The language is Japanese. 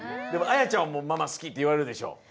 でも彩ちゃんもママ好きっていわれるでしょ。